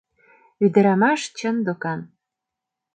Ӱдырамаш чын докан.